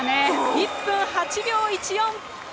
１分８秒１４！